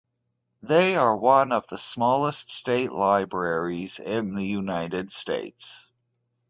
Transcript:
They are one of the smallest state libraries in the United States.